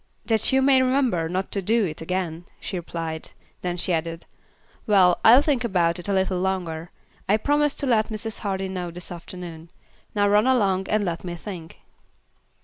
"That you may remember not to do it again," she replied; then she added, "Well, I'll think about it a little longer. I promised to let Mrs. Hardy know this afternoon. Now run along and let me think."